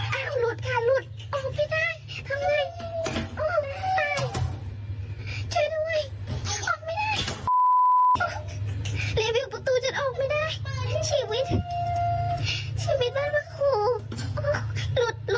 ใครอยู่ข้างนอกช่วยด้วยอ๋อชีวิตดู